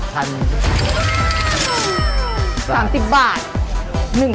ประมาณ๑๐๐๐ลูก